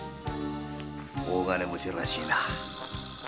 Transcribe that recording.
大金持ちらしいなぁ。